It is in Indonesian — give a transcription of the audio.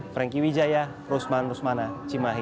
franky wijaya rusman rusmana cimahi